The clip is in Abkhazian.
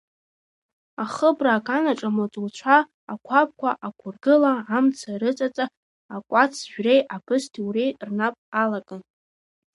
Ахыбра аганаҿ амаҵуцәа, ақәабқәа ақәыргыла, амца рыҵаҵа, акәац жәреи абысҭа уреи рнап алакын.